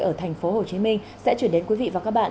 ở thành phố hồ chí minh sẽ chuyển đến quý vị và các bạn